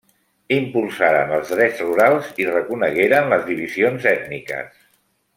Impulsaren els drets rurals i reconegueren les divisions ètniques.